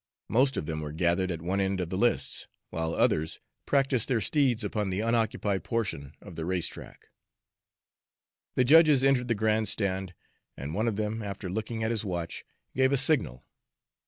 Most of them were gathered at one end of the lists, while others practiced their steeds upon the unoccupied portion of the race track. The judges entered the grand stand, and one of them, after looking at his watch, gave a signal.